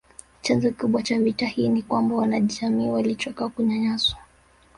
Chanzo kikubwa cha vita hii ni kwamba wanajamii walichoka kunyanyaswa